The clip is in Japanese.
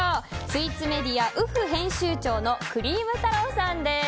スイーツメディア「ｕｆｕ．」編集長のクリーム太朗さんです。